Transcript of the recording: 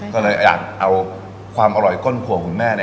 ก็เลยอยากเอาความอร่อยก้นถั่วคุณแม่